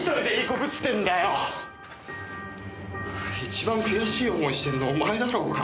一番悔しい思いしてるのはお前だろうが。